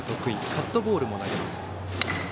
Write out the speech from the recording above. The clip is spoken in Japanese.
カットボールも投げます。